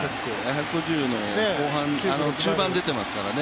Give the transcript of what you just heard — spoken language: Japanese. １５０の中盤出ていますからね